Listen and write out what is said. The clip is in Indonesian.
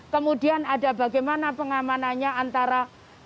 kemudian ada bagaimana pengamanannya antara